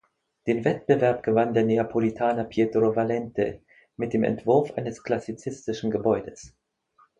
Den Wettbewerb gewann der Neapolitaner Pietro Valente mit dem Entwurf eines klassizistischen Gebäudes.